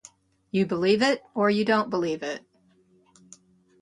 You believe it or you don't believe it.